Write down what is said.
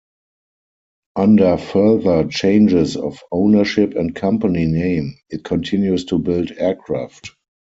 Under further changes of ownership and company name, it continues to build aircraft.